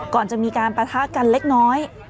ก่อนจะมีการปะทะกันเล็กน้อย